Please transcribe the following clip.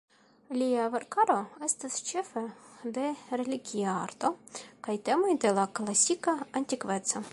Lia verkaro estas ĉefe de religia arto kaj temoj de la klasika antikveco.